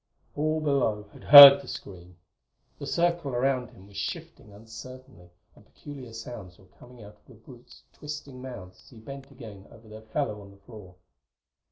All below had heard the scream. The circle around him was shifting uncertainly, and peculiar sounds were coming out of the brutes' twisting mouths as he bent again over their fellow on the floor.